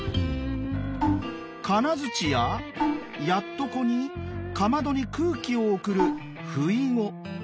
金づちややっとこにかまどに空気を送るふいご。